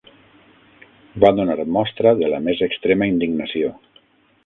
Va donar mostra de la més extrema indignació.